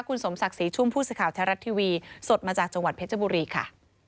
คุณสมศักดิ์ศรีชุ่มผู้สื่อข่าวแท้รัฐทีวีสดมาจากจังหวัดเพชรบุรีค่ะ